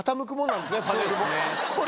パネルも。